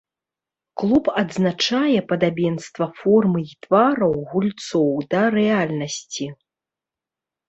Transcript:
Клуб адзначае падабенства формы і твараў гульцоў да рэальнасці.